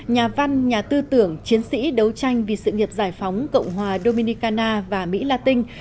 nhà văn nhà tư tưởng chiến sĩ đấu tranh vì sự nghiệp giải phóng cộng hòa dominicana và mỹ la tinh